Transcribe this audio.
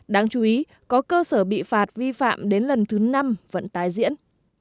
đáng chú ý có cơ sở bị phạt vi phạm đến lần thứ năm vẫn tái diễn